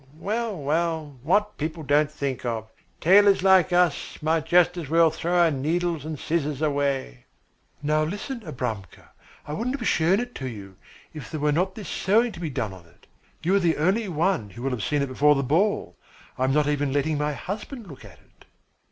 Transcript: Well, well, what people don't think of. Tailors like us might just as well throw our needles and scissors away." "Now, listen, Abramka, I wouldn't have shown it to you if there were not this sewing to be done on it. You are the only one who will have seen it before the ball. I am not even letting my husband look at it."